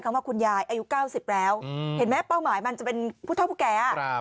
ว่าคุณยายอายุ๙๐แล้วเห็นไหมเป้าหมายมันจะเป็นผู้เท่าผู้แก่